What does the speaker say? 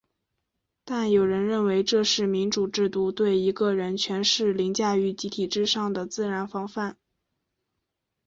但有人认为这是民主制度对一个人权势凌驾于集体之上的自然防范。